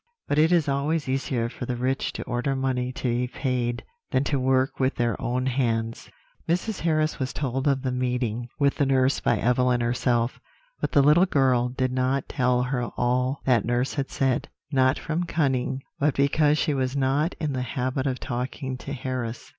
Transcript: But it is always easier for the rich to order money to be paid than to work with their own hands. "Mrs. Harris was told of the meeting with the nurse by Evelyn herself; but the little girl did not tell her all that nurse had said, not from cunning, but because she was not in the habit of talking to Harris.